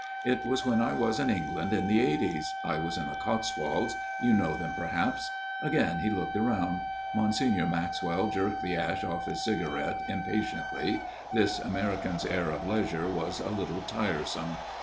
" It was when I was in England in the eighties. I was in the Cots wolds. You know them perhaps ?" Again he looked round. Monsignor Maxwell jerked the ash off his cigarette impatiently. This American's air of leisure was a little tiresome.